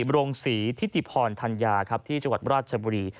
โรงศรีทิติพรธัญญาครับที่จังหวัดราชบุรี